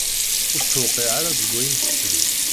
Ur tt-tewqiε ara deg ayen tettlus.